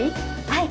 はい。